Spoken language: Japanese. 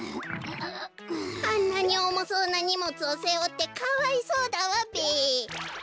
こころのこえあんなにおもそうなにもつをせおってかわいそうだわべ。